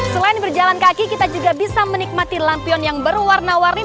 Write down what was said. selain berjalan kaki kita juga bisa menikmati lampion yang berwarna warni